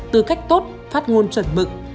tư cách tốt phát ngôn chuẩn bự